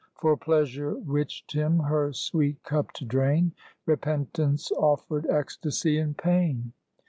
For Pleasure witched him her sweet cup to drain; Repentance offered ecstasy in pain.